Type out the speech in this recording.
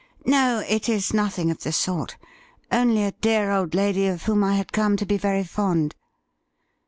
' No, it is nothing of the sort. Only a dear old lady of whom I had come to be very fond.'